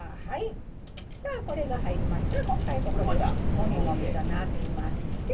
じゃあ、これが入りましたらもう一回、もみもみとなじまして。